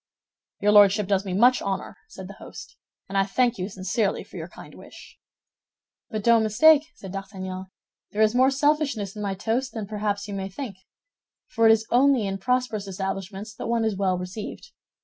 "Your Lordship does me much honor," said the host, "and I thank you sincerely for your kind wish." "But don't mistake," said D'Artagnan, "there is more selfishness in my toast than perhaps you may think—for it is only in prosperous establishments that one is well received.